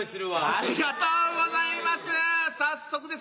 ありがとうございます。